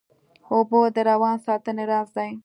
اوبه د روان ساتنې راز دي